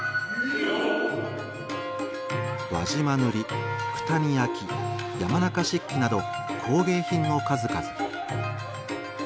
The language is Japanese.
輪島塗九谷焼山中漆器など工芸品の数々。